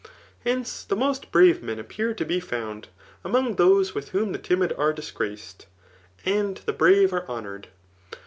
Hence, the most brave men appear to be found among those with whom the timid are disgraced, and the brave are honoured.